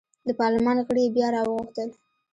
د پارلمان غړي یې بیا راوغوښتل.